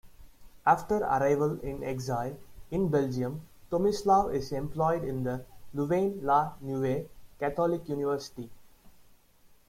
After arrival in exile in Belgium, Tomislav is employed in the Louvain-la-Neuve Catholic University.